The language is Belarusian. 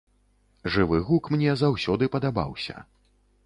Жывы гук мне заўсёды падабаўся.